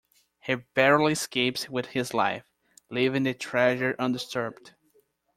He barely escapes with his life, leaving the treasure undisturbed.